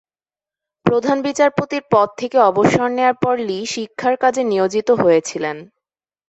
প্রধান বিচারপতির পদ থেকে অবসর নেওয়ার পর লি শিক্ষার কাজে নিয়োজিত হয়েছিলেন।